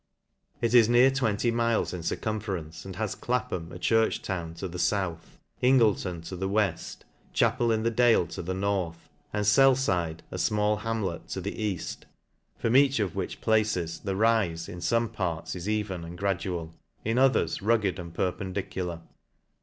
It is near 20 miles in circumference, and has Clapham^ a church town, to the fouth ; Ingleton to the weft ; Chapel in the Dale to the north ; and Sel/ide, a fmall hamlet, to the eaft j from each of which places the rife, in fome parts, is even and gradual ; in others, rugged and perpendicular.